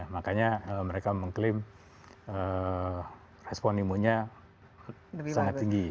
makanya mereka mengklaim respon imunnya sangat tinggi